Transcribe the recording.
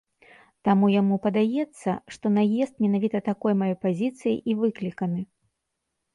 Таму яму падаецца, што наезд менавіта такой маёй пазіцыяй і выкліканы.